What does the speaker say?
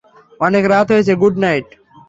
অনেক রাত হয়েছে, গুড নাইট।